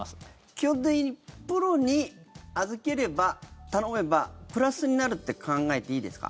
基本的にプロに預ければ、頼めばプラスになるって考えていいですか？